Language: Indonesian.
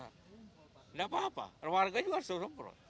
tidak apa apa warga juga harus nongkrot